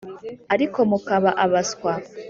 Ariko mukaba abaswa